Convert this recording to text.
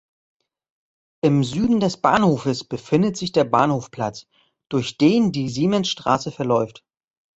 Im Süden des Bahnhofes befindet sich der Bahnhofplatz, durch den die Siemensstraße verläuft.